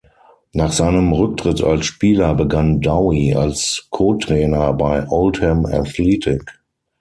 Nach seinem Rücktritt als Spieler begann Dowie als Kotrainer bei Oldham Athletic.